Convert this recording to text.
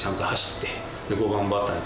って。